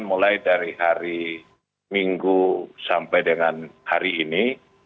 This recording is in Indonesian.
mulai dari hari minggu sampai dengan hari ini